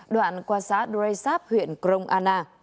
đoạn qua xá dresap huyện krong anna